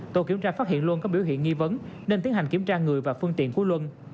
tổ kiểm tra phát hiện luân có biểu hiện nghi vấn nên tiến hành kiểm tra người và phương tiện của luân